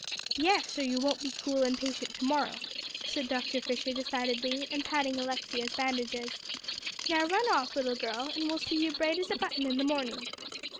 "Yes or you won't be cool and patient to morrow," said Dr. Fisher decidedly, and patting Alexia's bandages. "Now run off, little girl, and we'll see you bright as a button in the morning."